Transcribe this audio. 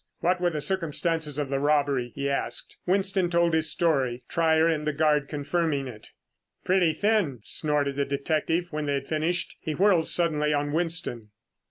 "What were the circumstances of the robbery?" he asked. Winston told his story, Trier and the guard confirming it. "Pretty thin!" snorted the detective when they had finished. He whirled suddenly on Winston.